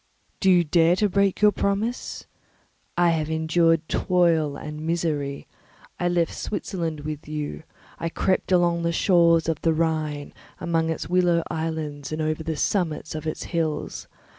Do you dare to break your promise? I have endured toil and misery; I left Switzerland with you; I crept along the shores of the Rhine, among its willow islands and over the summits of its hills.